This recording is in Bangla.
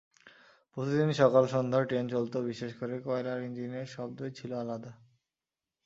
প্রতিদিন সকাল সন্ধ্যা ট্রেন চলত বিশেষ করে কয়লার ইঞ্জিনের শব্দই ছিল আলাদা।